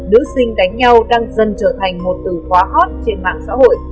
nữ sinh đánh nhau đang dần trở thành một từ khóa hot trên mạng xã hội